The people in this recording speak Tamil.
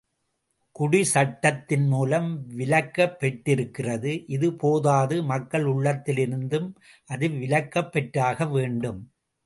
குடி சட்டத்தின் மூலம் விலக்கப் பெற்றிருக்கிறது, இது போதாது மக்கள் உள்ளத்திலிருந்தும் அது விலக்கப் பெற்றாகவேண்டும்.